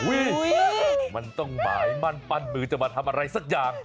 มันต้องหมายมั่นปั้นมือจะมาทำอะไรสักอย่าง